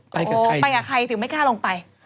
ไปกับใครถึงไม่กล้าลงไป